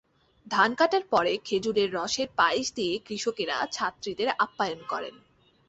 ধান কাটার পরে খেজুরের রসের পায়েস দিয়ে কৃষকেরা ছাত্রীদের অপ্যায়ন করেন।